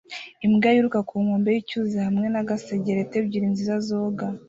Imbwa yiruka ku nkombe z'icyuzi hamwe na za gasegereti ebyiri nziza zoga